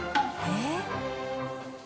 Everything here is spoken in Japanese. えっ？